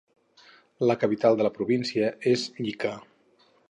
La capital de la província és Llica.